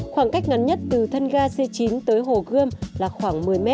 khoảng cách ngắn nhất từ thân ga c chín tới hồ gươm là khoảng một mươi m